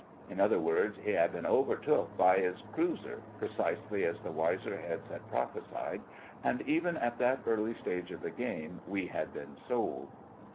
In other words, 'he had been overtook by 'is cruiser,' precisely as the wiser heads had prophesied; and even at that early stage of the game we had been sold.